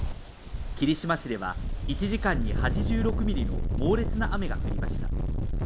霧島市では１時間に８６ミリの猛烈な雨が降りました。